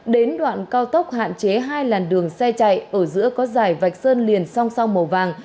đến đoạn cao tốc hạn chế hai làn đường xe chạy ở giữa có dải vạch sơn liền song song màu vàng